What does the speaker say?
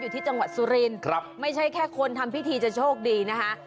ที่จังหวัดสุรินครับไม่ใช่แค่คนทำพิธีจะโชคดีนะคะ